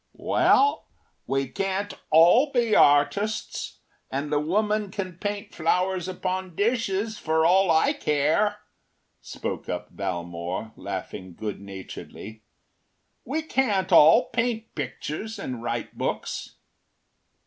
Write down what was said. ” “Well, we can’t all be artists and the woman can paint flowers upon dishes for all I care,” spoke up Valmore, laughing good naturedly. “We can’t all paint pictures and write books.